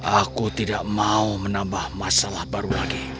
aku tidak mau menambah masalah baru lagi